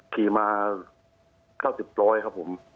ขี่มา๙๐บร้อยครับผม